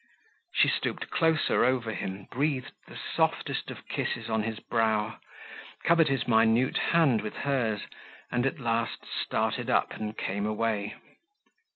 She stooped closer over him, breathed the softest of kisses on his brow, covered his minute hand with hers, and at last started up and came away.